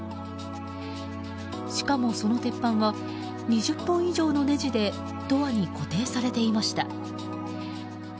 しかも、その鉄板は２０本以上のねじでドアに固定されていました。